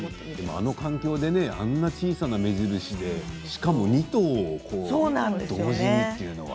あの環境で小さな目印でしかも２頭同時にというのは。